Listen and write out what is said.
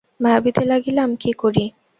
ভাবিতে লাগিলাম, কী করি।